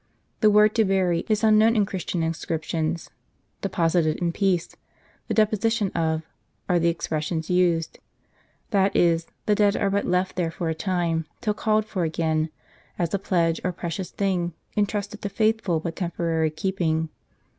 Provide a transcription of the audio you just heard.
The word to bury is unknown in Christian inscriptions. " Depos ited in peace," "the deposition of ,"' are the expressions used : that is, the dead are but left there for a time, till called for again, as a pledge, or precious thing, intrusted to faithful, but temporary, keeping.